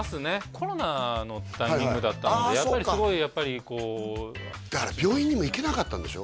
コロナのタイミングだったのでやっぱりすごいこうだから病院にも行けなかったんでしょ？